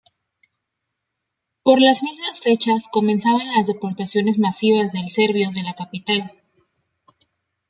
Por las mismas fechas, comenzaban las deportaciones masivas de serbios de la capital.